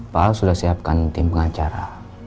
pak ahok sudah siapkan tim pengacara